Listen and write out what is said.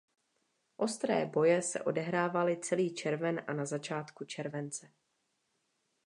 Ostré boje se odehrávaly celý červen a na začátku července.